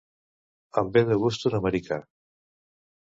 Em ve de gust un americà.